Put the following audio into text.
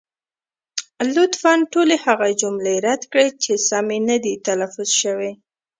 لطفا ټولې هغه جملې رد کړئ، چې سمې نه دي تلفظ شوې.